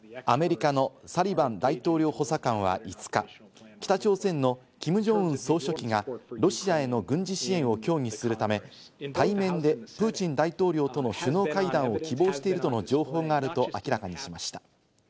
アメリカのサリバン大統領補佐官は５日、北朝鮮のキム・ジョンウン総書記がロシアへの軍事支援を協議するため、対面でプーチン大統領との首脳会談を希望しているとの情報があると明らかにしました。